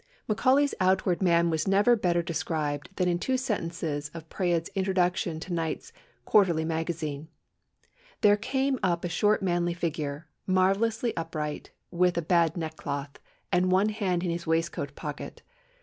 ] "Macaulay's outward man was never better described than in two sentences of Praed's Introduction to Knight's Quarterly Magazine. 'There came up a short manly figure, marvellously upright, with a bad neckcloth, and one hand in his waistcoat pocket.